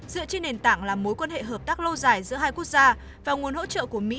dựa trên nền tảng là mối quan hệ hợp tác lâu dài giữa hai quốc gia và nguồn hỗ trợ của mỹ